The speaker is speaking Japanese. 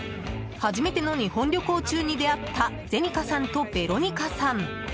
初めての日本旅行中に出会ったゼニカさんとベロニカさん。